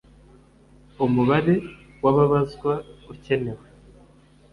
Umubare w ababazwa ukenewe